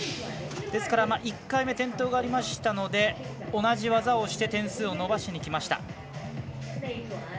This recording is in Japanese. １回目、転倒がありましたので同じ技をして点数を伸ばしにきました。